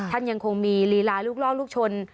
ยังคงมีลีลาลูกล่อลูกชน